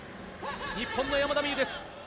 日本の山田美諭です。